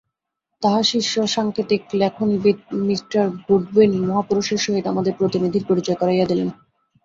তাঁহার শিষ্য সাঙ্কেতিক-লেখনবিৎ me Goodwin মহাপুরুষের সহিত আমাদের প্রতিনিধির পরিচয় করাইয়া দিলেন।